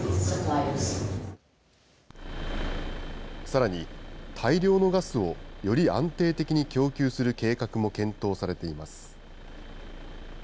さらに、大量のガスをより安定的に供給する計画も検討されています。